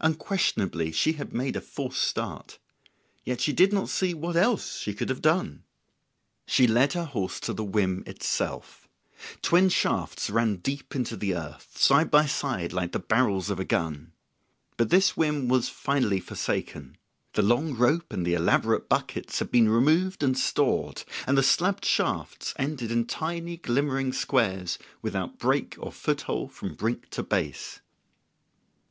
Unquestionably she had made a false start. Yet she did not see what else she could have done. She led her horse to the whim itself. Twin shafts ran deep into the earth, side by side like the barrels of a gun. But this whim was finally forsaken; the long rope and the elaborate buckets had been removed and stored; and the slabbed shafts ended in tiny glimmering squares without break or foot hole from brink to base.